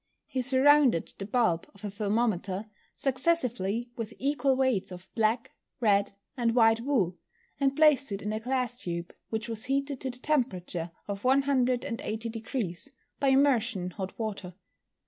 He surrounded the bulb of a thermometer successively with equal weights of black, red, and white wool, and placed it in a glass tube, which was heated to the temperature of 180 deg. by immersion in hot water.